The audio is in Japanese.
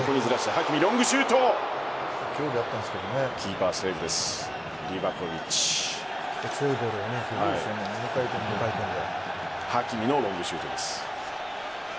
ハキミのロングシュートです。